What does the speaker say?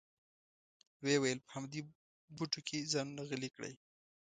وې ویل په همدې بوټو کې ځانونه غلي کړئ.